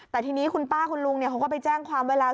แต่ทีนี้คุณป้าคุณลุงเขาก็ไปแจ้งความไว้แล้ว